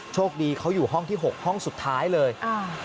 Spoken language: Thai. โชคดีเขาอยู่ห้องที่๖ห้องสุดท้ายเลยอ่า